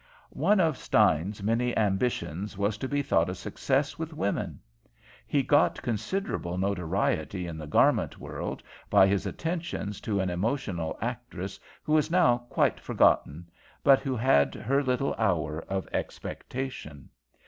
"One of Stein's many ambitions was to be thought a success with women. He got considerable notoriety in the garment world by his attentions to an emotional actress who is now quite forgotten, but who had her little hour of expectation.